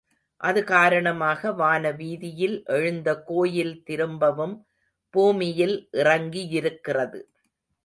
அது காரணமாக வான வீதியில் எழுந்த கோயில் திரும்பவும் பூமியில் இறங்கியிருக்கிறது.